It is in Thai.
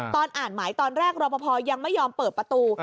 ตอนอ่านหมายตอนแรกรอปภยังไม่ยอมเปิดประตู